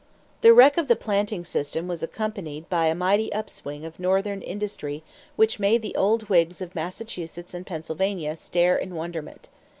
= The wreck of the planting system was accompanied by a mighty upswing of Northern industry which made the old Whigs of Massachusetts and Pennsylvania stare in wonderment.